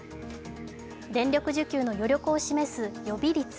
電力需給の余力を示す予備率。